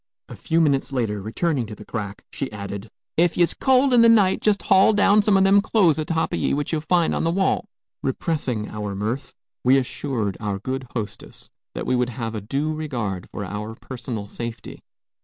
A few minutes later, returning to the crack, she added, "Ef ye's cold in the night, jest haul down some o' them clothes atop o' ye which ye'll find on the wall." Repressing our mirth, we assured our good hostess that we would have a due regard for our personal safety.